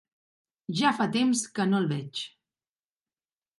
Ja fa temps que no el veig.